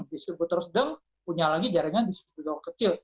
distributor sedang punya lagi jaringan distributor kecil